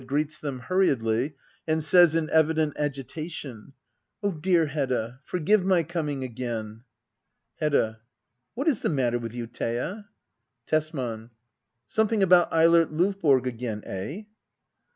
[Greets them hurriedly, and says in evident agita tion,'\ Oh, dear Hedda, forgive my coming again. Hedda. What is the matter with you, Thea ? Tesman. Something about Eilert Lovborg again — eh